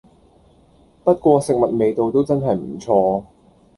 不過食物味道都真係唔錯